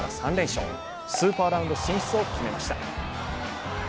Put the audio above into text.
スーパーラウンド進出を決めました。